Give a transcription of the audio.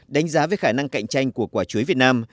đánh giá về khả năng cạnh tranh của quả chuối việt nam